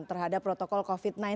terhadap protokol covid sembilan belas